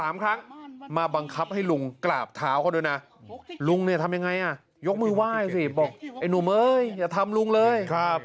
มึงเป็นไผ่มึงป่าดดากว่าอย่างนี้มึงว่าเข้ามานี่เลย